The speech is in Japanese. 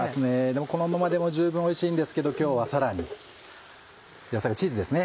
でもこのままでも十分おいしいんですけど今日はさらにチーズです。